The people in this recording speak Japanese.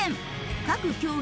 各競技